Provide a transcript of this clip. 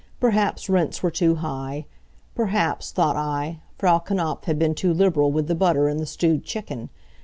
Perhaps rents were too high. Perhaps, thought I, Frau Knapf had been too liberal with the butter in the stewed chicken.